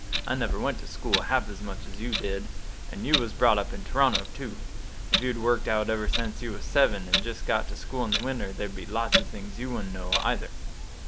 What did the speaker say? I never went to school half as much as you did; and you was brought up in Toronto, too. If you'd worked out ever since you was seven, and just got to school in the winter, there'd be lots of things you wouldn't know, either."